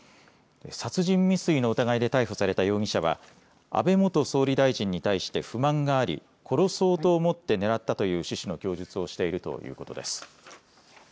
殺人未遂の疑いで逮捕された容疑者は安倍元総理大臣に対して不満があり殺そうと思って狙ったという趣旨の供述をしているということです。